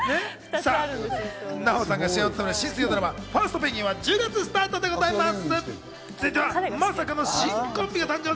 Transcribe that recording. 奈緒さんが主演を務める新水曜ドラマ『ファーストペンギン！』は１０月スタートでございます。